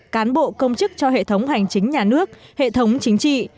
cán bộ công chức cho hệ thống hành chính nhà nước hệ thống chính trị